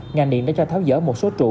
ngành điện đã cho tháo dở một số trụ